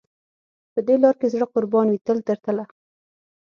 په دې لار کې زړه قربان وي تل تر تله.